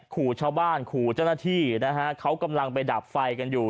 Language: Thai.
ขู่ชาวบ้านขู่เจ้าหน้าที่นะฮะเขากำลังไปดับไฟกันอยู่